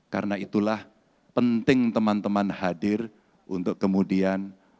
karena itulah penting teman teman hadir untuk kemudian